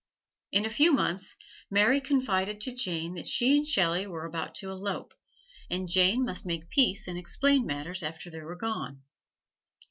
In a few months, Mary confided to Jane that she and Shelley were about to elope, and Jane must make peace and explain matters after they were gone.